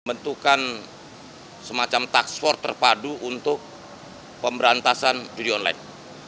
membentukkan semacam taksfor terpadu untuk pemberantasan judi online